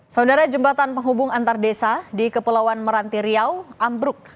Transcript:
saudara jembatan penghubung antar desa di kepulauan meranti riau ambruk